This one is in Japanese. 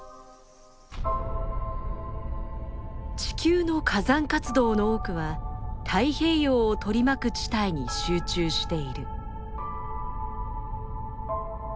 地球の火山活動の多くは太平洋を取り巻く地帯に集中している。